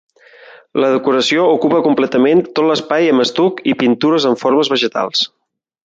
La decoració ocupa completament tot l'espai amb estuc i pintures amb formes vegetals.